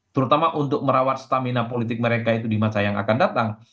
terutama untuk merawat stamina politik mereka itu di masa yang akan datang